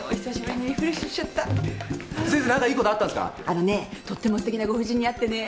あのねとってもすてきなご婦人に会ってね